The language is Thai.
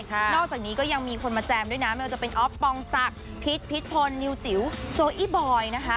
นอกจากนี้ก็ยังมีคนมาแจมด้วยนะไม่ว่าจะเป็นอ๊อฟปองศักดิ์พิษพิษพลนิวจิ๋วโจอี้บอยนะคะ